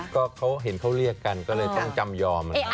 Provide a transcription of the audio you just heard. ก็เขาเห็นเขาเรียกกันก็เลยต้องจำยอม